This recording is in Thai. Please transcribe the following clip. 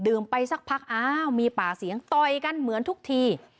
ไปสักพักอ้าวมีปากเสียงต่อยกันเหมือนทุกที